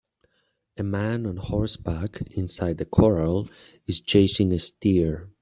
A man on horseback, inside a corral, is chasing a steer.